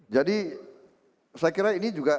jadi saya kira ini juga